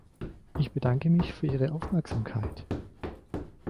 Ich bedanke mich für Ihre Aufmerksamkeit.